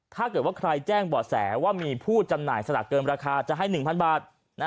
ถ้าเกิดว่าใครแจ้งบ่อแสว่ามีผู้จำหน่ายสลากเกินราคาจะให้๑๐๐บาท